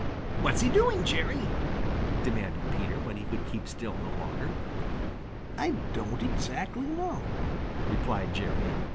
"What's he doing, Jerry?" demanded Peter, when he could keep still no longer. "I don't exactly know," replied Jerry.